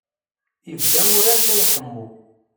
Ibda wurar la iḥemmu.